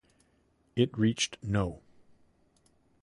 It reached no.